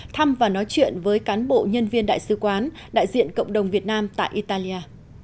thăm và nói chuyện với cán bộ nhân viên đại sứ quán đại diện cộng đồng việt nam tại italia